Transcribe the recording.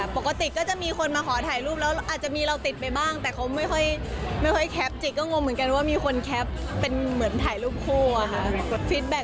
ปกติก็จะมีคนมาขอถ่ายรูปแล้วอาจจะมีเราติดไปบ้างแต่เขาไม่ค่อยแคปจิกก็งงเหมือนกันว่ามีคนแคปเป็นเหมือนถ่ายรูปคู่อะค่ะ